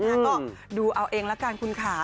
ก็ดูเอาเองละกันคุณค่ะ